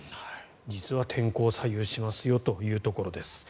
実は天候左右しますよというところです。